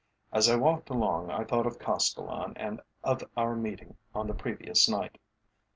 As I walked along I thought of Castellan and of our meeting on the previous night.